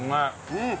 うん！